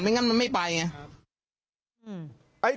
งั้นมันไม่ไปไง